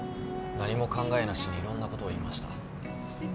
何も考えなしにいろんなことを言いました。